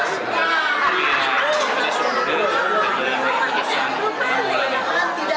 sebenarnya kita mengharapkan yang ini sih